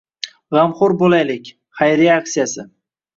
“G‘amxo‘r bo‘laylik!” xayriya aksiyasi